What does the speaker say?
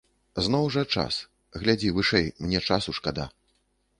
Зноў жа, час, глядзі вышэй, мне часу шкада.